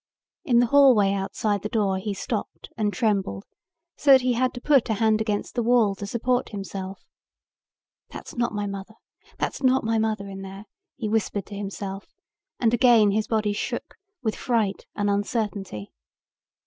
In the hallway outside the door he stopped and trembled so that he had to put a hand against the wall to support himself. "That's not my mother. That's not my mother in there," he whispered to himself and again his body shook with fright and uncertainty.